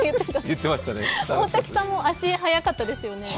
大滝さんも足、早かったですよね。